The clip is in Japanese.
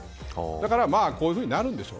だからこういうふうになるんでしょう。